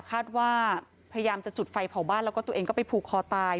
คาดว่าพยายามจะจุดไฟผอบ้านและซูนย์ไปผูกคอตาย